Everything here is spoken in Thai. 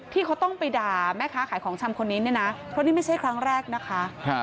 ที่เขาต้องไปด่าแม่ค้าขายของชำคนนี้เนี่ยนะเพราะนี่ไม่ใช่ครั้งแรกนะคะ